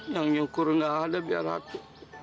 yang nyukur gak ada biar aku